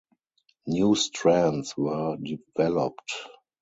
New strands were developed.